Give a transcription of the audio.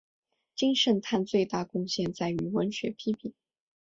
金圣叹最大贡献在于文学批评。